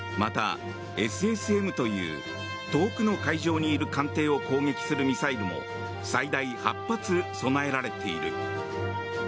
また、ＳＳＭという遠くの海上にいる艦艇を攻撃するミサイルも最大８発備えられている。